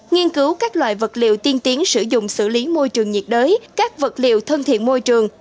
nghiên cứu các loại vật liệu tiên tiến sử dụng xử lý môi trường nhiệt đới các vật liệu thân thiện môi trường